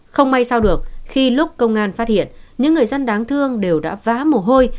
không may sau được khi lúc công an phát hiện những người dân đáng thương đều đã vá mồ hôi